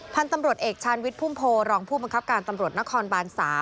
พันธุ์ตำรวจเอกชาญวิทย์พุ่มโพรองผู้บังคับการตำรวจนครบาน๓